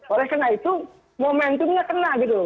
oleh karena itu momentumnya kena